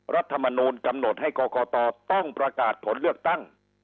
รัฐมนุนกำหนดกรกฏต้องประกาศถนเลือกตั้ง